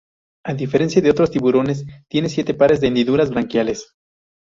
A diferencia de otros tiburones, tiene siete pares de hendiduras branquiales.